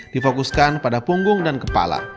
difokuskan pada punggung dan kepala